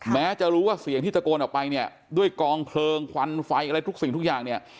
แม้จะรู้ว่าเสียงที่ตะโกนออกไปเนี่ยด้วยกองเพลิงควันไฟอะไรทุกสิ่งทุกอย่างเนี่ย